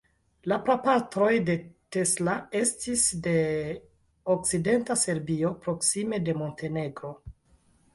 La prapatroj de Tesla estis de okcidenta Serbio, proksime de Montenegro.